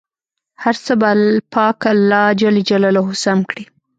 هر څه به پاک الله جل جلاله سم کړي.